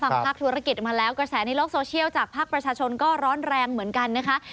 ภาคธุรกิจมาแล้วกระแสในโลกโซเชียลจากภาคประชาชนก็ร้อนแรงเหมือนกันนะคะ